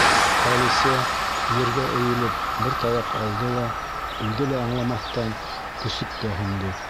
Әлисә, ергә эйелеп, бер таяҡ алды ла, үҙе лә аңламаҫтан, көсөккә һондо.